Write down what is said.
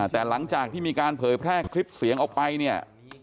แต่หลังจากที่มีการเผยแพร่คลิปเสียงออกไปเนี่ย